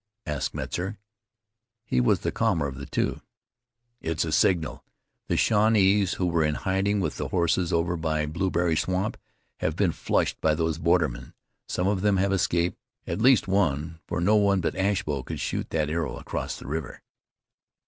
asked Metzar. He was the calmer of the two. "It's a signal. The Shawnees, who were in hiding with the horses over by Blueberry swamp, have been flushed by those bordermen. Some of them have escaped; at least one, for no one but Ashbow could shoot that arrow across the river."